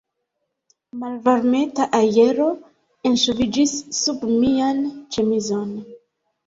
Malvarmeta aero enŝoviĝis sub mian ĉemizon.